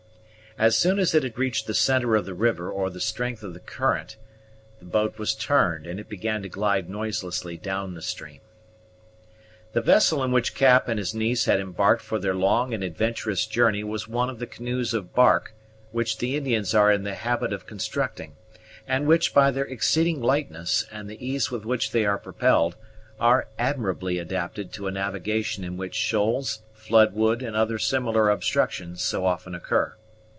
As soon as it had reached the centre of the river or the strength of the current, the boat was turned, and it began to glide noiselessly down the stream. The vessel in which Cap and his niece had embarked for their long and adventurous journey was one of the canoes of bark which the Indians are in the habit of constructing, and which, by their exceeding lightness and the ease with which they are propelled, are admirably adapted to a navigation in which shoals, flood wood, and other similar obstructions so often occur.